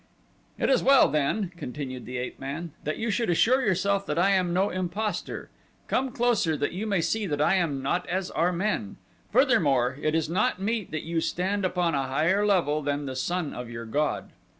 "It is well then," continued the ape man, "that you should assure yourself that I am no impostor. Come closer that you may see that I am not as are men. Furthermore it is not meet that you stand upon a higher level than the son of your god."